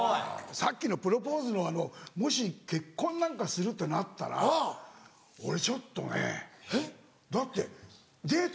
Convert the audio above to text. さっきのプロポーズのあのもし結婚なんかするってなったら俺ちょっとね。えっ？だってデート